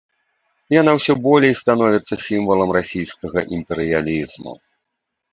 Яна ўсё болей становіцца сімвалам расійскага імперыялізму.